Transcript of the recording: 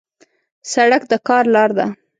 سړک د کار لار ده.